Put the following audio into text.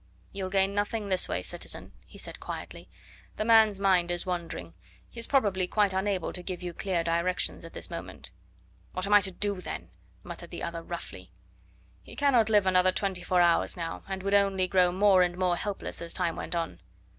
"You'll gain nothing this way, citizen," he said quietly; "the man's mind is wandering; he is probably quite unable to give you clear directions at this moment." "What am I to do, then?" muttered the other roughly. "He cannot live another twenty four hours now, and would only grow more and more helpless as time went on."